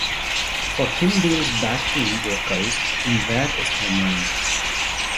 For Kim Deal's backing vocals in Where Is My Mind?